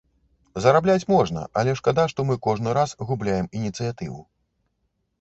Зарабляць можна, але шкада, што мы кожны раз губляем ініцыятыву.